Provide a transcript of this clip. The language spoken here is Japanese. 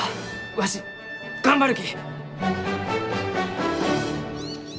わし頑張るき！